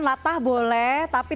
latah boleh tapi